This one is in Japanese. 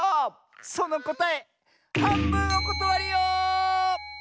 そのこたえはんぶんおことわりよ！